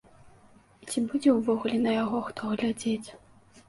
І ці будзе ўвогуле на яго хто глядзець?